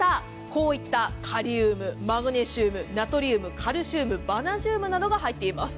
こういったカリウムマグネシウムナトリウム、カルシウムバナジウムなどが入っています。